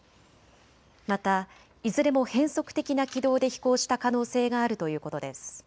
また、いずれも変則的な軌道で飛行した可能性があるということです。